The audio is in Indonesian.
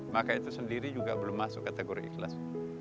maka itu sendiri juga belum masuk kategori ikhlas